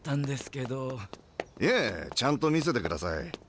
いえちゃんと見せてください。